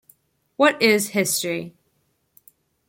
What Is History?